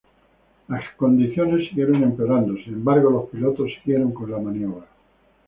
Las condiciones siguieron empeorando, sin embargo los pilotos siguieron con la maniobra.